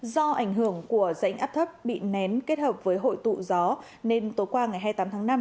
do ảnh hưởng của rãnh áp thấp bị nén kết hợp với hội tụ gió nên tối qua ngày hai mươi tám tháng năm